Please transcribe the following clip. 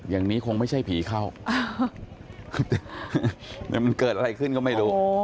อย่างนี้คงไม่ใช่ผีเข้าแต่มันเกิดอะไรขึ้นก็ไม่รู้